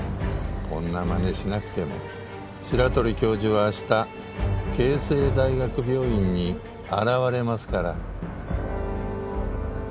こんなまねしなくても白鳥教授は明日慶西大学病院に現れますから。